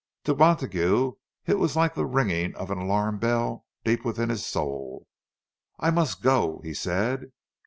To Montague it was like the ringing of an alarm bell deep within his soul. "I must go," he said.